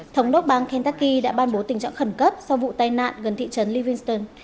thống đốc bang kentucky đã ban bố tình trạng khẩn cấp sau vụ tai nạn gần thị trấn livingston